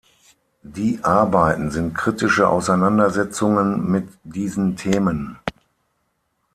Die Arbeiten sind kritische Auseinandersetzungen mit diesen Themen.